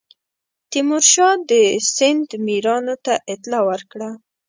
تیمورشاه د سند میرانو ته اطلاع ورکړه.